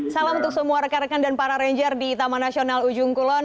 salam untuk semua rekan rekan dan para ranger di taman nasional ujung kulon